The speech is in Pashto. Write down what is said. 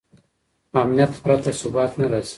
امنیت پرته ثبات نه راځي.